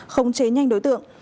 không chế nhanh đối tượng